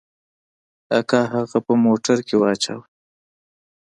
اکا هغه په موټر کښې واچاوه.